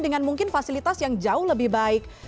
dengan mungkin fasilitas yang jauh lebih baik